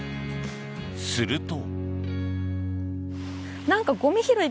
すると。